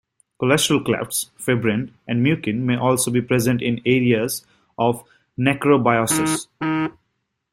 Cholesterol clefts, fibrin, and mucin may also be present in areas of necrobiosis.